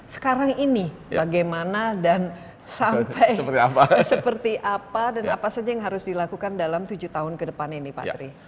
sekarang ini bagaimana dan sampai seperti apa dan apa saja yang harus dilakukan dalam tujuh tahun ke depan ini pak tri